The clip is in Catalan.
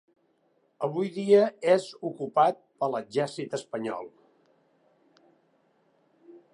Avui dia és ocupat per l'exèrcit espanyol.